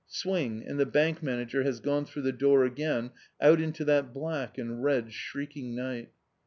Swing, and the Bank Manager has gone through the door again out into that black and red shrieking night.